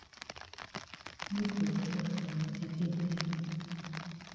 Yi go go for holiday time.